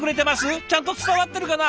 ちゃんと伝わってるかな？